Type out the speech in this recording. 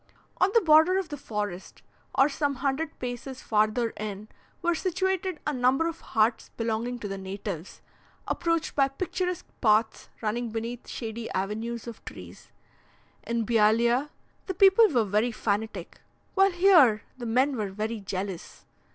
On the border of the forest, or some hundred paces farther in, were situated a number of huts belonging to the natives, approached by picturesque paths running beneath shady avenues of trees. In Bealeah, the people were very fanatic, while here the men were very jealous.